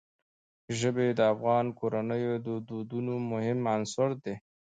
ژبې د افغان کورنیو د دودونو مهم عنصر دی.